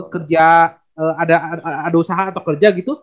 kerja ada usaha atau kerja gitu